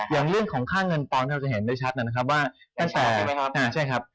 อย่างเรื่องของค่าเงินปอนด์จะเห็นได้ชัดนะครับ